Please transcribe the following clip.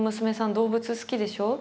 動物好きでしょ？」